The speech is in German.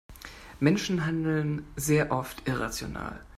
Menschen handeln sehr oft irrational.